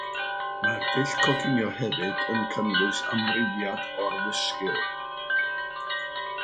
Mae'r dull coginio hefyd yn cynnwys amrywiad o'r ddysgl.